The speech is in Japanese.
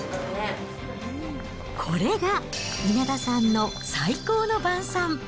これが稲田さんの最高の晩さん。